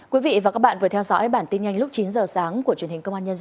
quý vị và các bạn vừa theo dõi bản tin nhanh lúc chín giờ sáng của truyền hình công an nhân dân